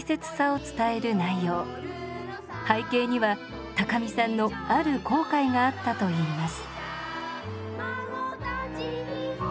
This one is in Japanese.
背景には高見さんのある後悔があったといいます。